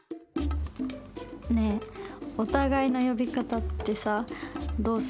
ねえお互いの呼び方ってさどうする？